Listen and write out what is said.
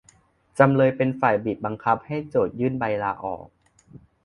จำเลยเป็นฝ่ายบีบบังคับให้โจทก์ยื่นใบลาออก